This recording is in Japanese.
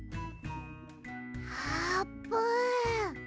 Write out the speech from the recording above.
あーぷん！